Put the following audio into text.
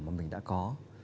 mà mình đã có